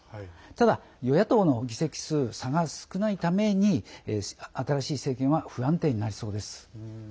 ただ、与野党の議席数差が少ないために新しい政権は不安定になりそうです。